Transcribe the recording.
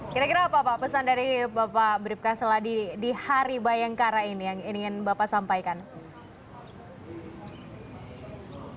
kira kira apa apa pesan dari bapakatif kapesper seladi di hari bayang karai ini yang ingin bapak sampaikan